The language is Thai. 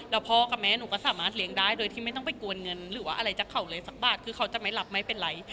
แล้วพ่อกับแม่หนูก็สามารถเลี้ยงได้โดยที่ไม่ต้องไปกวนเงินหรือว่าอะไรจากเขาเลยสักบาทคือเขาจะไม่รับไม่เป็นไร